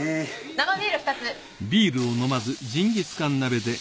生ビール２つ。